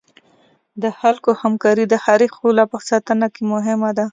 د خلکو همکاري د ښاري ښکلا په ساتنه کې مهمه ده.